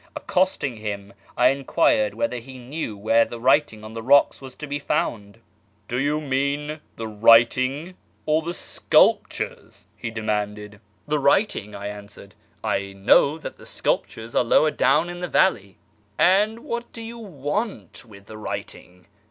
Accosting him, I enquired whether he knew where the writing on the rocks was to be found. " Do you mean the ivriting or the sculptures 1 " he demanded. 2J\6 A YEAR AMONGST THE PERSIANS " The writing," T answered ;" T know tiint tlio sculptures are lower down the valley." "And Avhat do you want with the writing?"